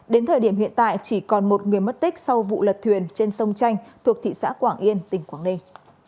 đến thời điểm hiện tại chỉ còn một người mất tích sau vụ lật thuyền trên sông chanh thuộc thị xã quảng yên tỉnh quảng ninh